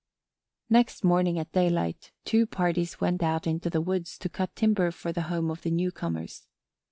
Next morning at daylight two parties went out in the woods to cut timber for the home of the newcomers.